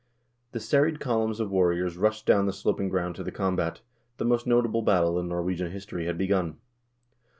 The serried columns of warriors rushed down the sloping ground to the combat ; the most notable battle in Nor wegian history had begun.